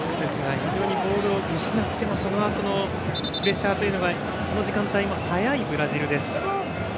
非常にボールを失ってもそのあとのプレッシャーがこの時間帯も早いブラジル。